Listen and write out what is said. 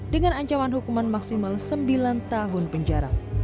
dengan ancaman hukuman maksimal sembilan tahun penjara